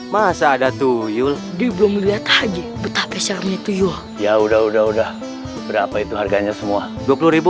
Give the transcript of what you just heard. masa ada tuyul di belum lihat aja betapa syarapnya tuyul ya udah udah berapa itu harganya semua rp dua puluh